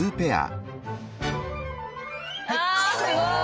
あすごい！